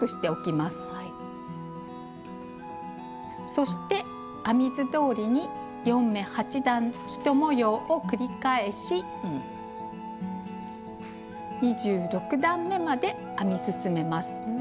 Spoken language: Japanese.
そして編み図どおりに４目８段１模様を繰り返し２６段めまで編み進めます。